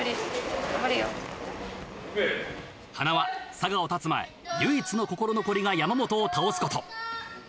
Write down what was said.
佐賀をたつ前唯一の心残りが山本を倒すこと。